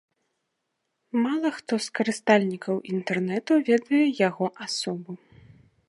Мала хто з карыстальнікаў інтэрнэту ведае яго асобу.